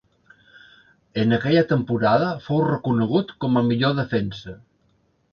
En aquella temporada fou reconegut com a millor defensa.